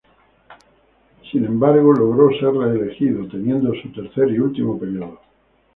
Sin embargo a todo ellos logró ser reelegido, teniendo su tercer y último periodo.